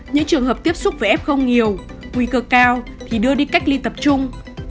những trường hợp tiếp xúc với f không nhiều nguy cơ cao thì đưa đi cách ly tập trung